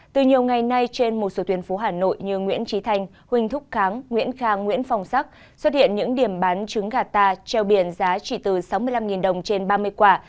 từ nhiều ngày nay trên một số tuyến phố hà nội như nguyễn trí thanh huỳnh thúc kháng nguyễn khang nguyễn phong sắc xuất hiện những điểm bán trứng gà ta treo biển giá chỉ từ sáu mươi năm đồng trên ba mươi quả